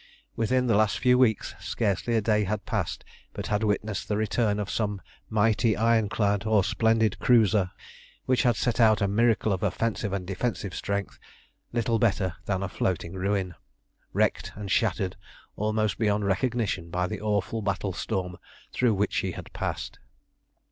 Within the last few weeks scarcely a day had passed but had witnessed the return of some mighty ironclad or splendid cruiser, which had set out a miracle of offensive and defensive strength, little better than a floating ruin, wrecked and shattered almost beyond recognition by the awful battle storm through which she had passed.